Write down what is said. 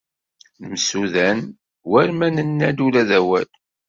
Nemsudan war ma nenna-d ula d awal.